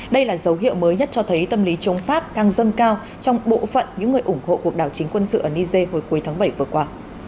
đây là dấu hiệu mới nhất cho thấy tâm lý chống pháp đang dâng cao trong bộ phận những người ủng hộ cuộc đảo chính quân sự ở niger hồi cuối tháng bảy vừa qua